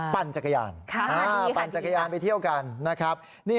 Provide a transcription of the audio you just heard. ปั่นจักรยานไปเที่ยวกันนะครับ